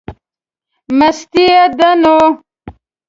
مستي یې ده نو.